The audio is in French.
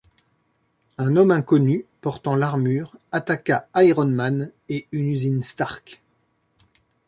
Un homme inconnu portant l'armure attaqua Iron Man et une usine Stark.